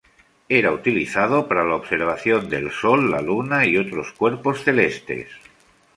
Era utilizado para la observación del Sol, la Luna y otros cuerpos celestes.